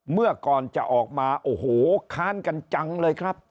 เมื่อก่อนจะออกมาโอ้โหค้านกันจังเลยครับ